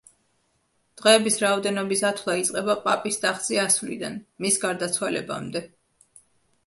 დღეების რაოდენობის ათვლა იწყება პაპის ტახტზე ასვლიდან, მის გარდაცვალებამდე.